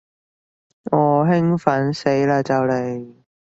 我興奮死嘞就嚟